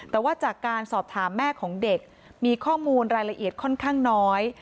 แต่ว่าจากการสอบถามแม่ของเด็กมีข้อมูลรายละเอียดค่อนข้างน้อย